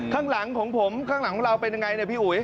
ข้างหลังของผมข้างหลังของเราเป็นยังไงเนี่ยพี่อุ๋ย